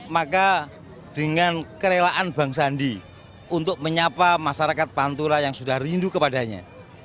maka dengan kerelaan bang sandi untuk menyapa masyarakat pantura yang sudah rindu kepadanya